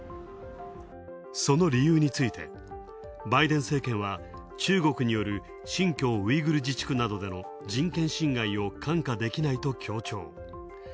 その理由について、バイデン政権は、中国による新疆ウイグル自治区などでの人権侵害を看過できないと強調。